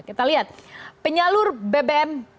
kita lihat penyalur bbm